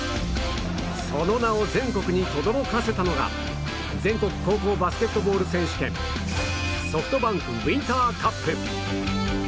その名を全国にとどろかせたのが全国高校バスケットボール選手権ＳｏｆｔＢａｎｋウインターカップ。